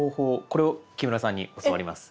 これを木村さんに教わります。